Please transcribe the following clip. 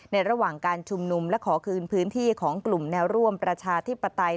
ระหว่างการชุมนุมและขอคืนพื้นที่ของกลุ่มแนวร่วมประชาธิปไตย